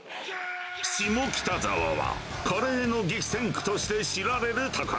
下北沢はカレーの激戦区として知られる所。